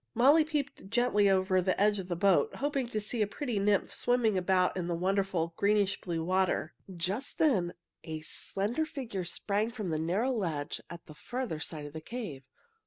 Molly peeped gently over the edge of the boat, hoping to see a pretty nymph swimming about in the wonderful greenish blue water. Just then a slender figure sprang from a narrow ledge at the farther side of the cave.